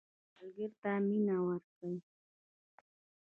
سوالګر ته مینه ورکوئ